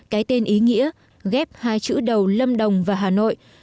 cái tên ý nghĩa ghép hai chữ đầu lâm đồng và hà nội